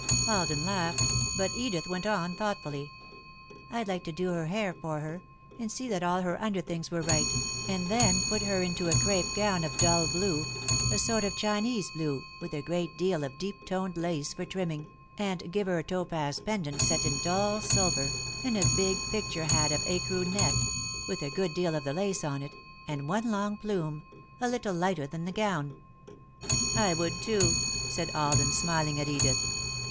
Alden laughed, but Edith went on, thoughtfully: "I'd like to do her hair for her, and see that all her under things were right, and then put her into a crêpe gown of dull blue a sort of Chinese blue, with a great deal of deep toned lace for trimming, and give her a topaz pendant set in dull silver, and a big picture hat of ecru net, with a good deal of the lace on it, and one long plume, a little lighter than the gown." "I would, too," said Alden, smiling at Edith.